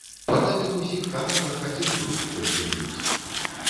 Па гэтых усіх каналах адзін бруд толькі льюць!